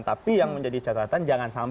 tapi yang menjadi catatan jangan sampai lupa nih